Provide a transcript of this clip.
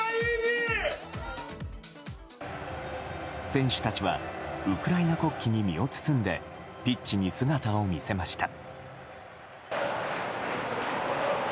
選手たちはウクライナ国旗に身を包んでピッチに姿を見せました。